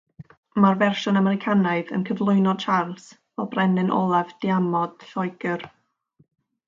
Mae'r fersiwn Americanaidd yn cyflwyno Charles fel brenin olaf "diamod" Lloegr.